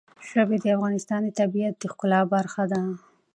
ژبې د افغانستان د طبیعت د ښکلا برخه ده.